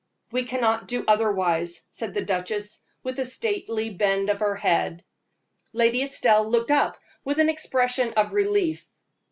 "We cannot do otherwise," said the duchess, with a stately bend of her head. Lady Estelle looked up with an expression of relief.